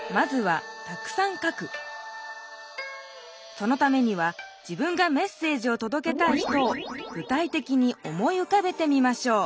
そのためには自分がメッセージをとどけたい人をぐ体てきに思いうかべてみましょう。